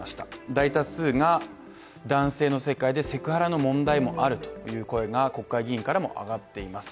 大多数が男性の世界でセクハラの問題もあるという声が国会議員からも上がっています。